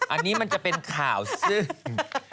อันนี้มันจะเป็นข่าวซึ่ง